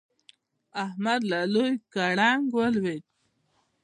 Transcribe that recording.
احمد له لوی ګړنګ ولوېد.